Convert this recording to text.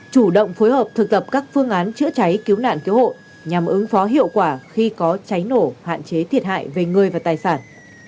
chủ động phối hợp thực tập các phương án chữa cháy cứu nạn cứu hộ nhằm ứng phó hiệu quả khi có cháy nổ hạn chế thiệt hại về người và tài sản